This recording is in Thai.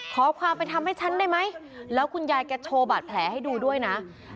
ขอความเป็นทำให้ฉันได้ไหมแล้วคุณยายแกโชว์บาดแผลให้ดูด้วยนะ